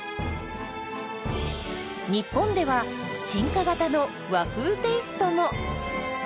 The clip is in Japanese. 日本では進化型の和風テイストも！